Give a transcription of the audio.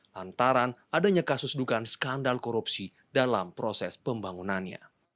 lantaran adanya kasus dugaan skandal korupsi dalam proses pembangunannya